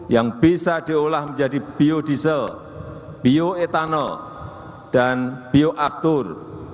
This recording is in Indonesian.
yang bisa diolah menjadi biodiesel bioetanol dan bioaktur